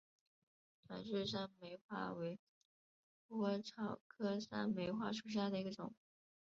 短序山梅花为虎耳草科山梅花属下的一个种。